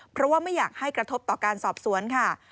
เพราะว่าไม่อยากให้กระทบต่อการสอบสวนค่ะ